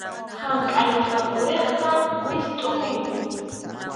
Hank’ayaspa puriqta wistʼu ninkum.